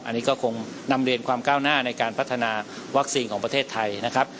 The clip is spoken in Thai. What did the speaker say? อันนี้ก็คงนำเรียนความก้าวหน้าในการพัฒนาวัคซีนของประเทศไทยนะครับ